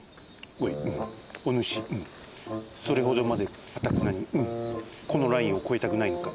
おいおぬしそれほどまでかたくなにこのラインをこえたくないのか？